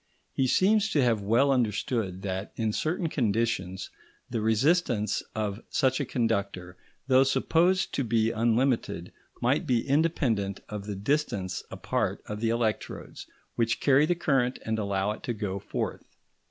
He seems to have well understood that, in certain conditions, the resistance of such a conductor, though supposed to be unlimited, might be independent of the distance apart of the electrodes which carry the current and allow it to go forth.